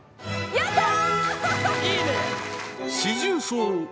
やったー！